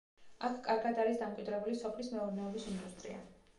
აქ კარგად არის დამკვიდრებული სოფლის მეურნეობის ინდუსტრია.